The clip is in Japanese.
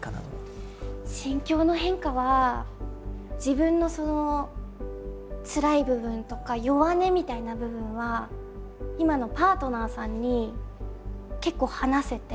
心境の変化は自分のつらい部分とか弱音みたいな部分は今のパートナーさんに結構話せて。